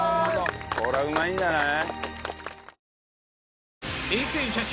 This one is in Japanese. こりゃうまいんじゃない？